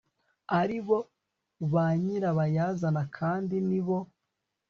ari bo ba nyirabayazana kandi ni bo